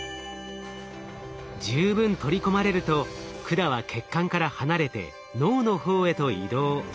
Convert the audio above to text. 十分取り込まれると管は血管から離れて脳の方へと移動。